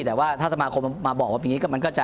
แต่ว่าถ้าสมาคมมาบอกว่าปีนี้มันก็จะ